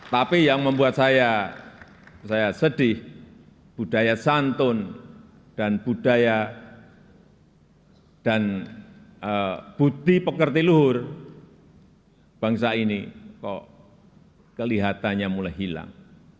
tapi yang membuat saya sedih budaya santun dan budaya dan budi pekerti luhur bangsa ini kok kelihatannya mulai hilang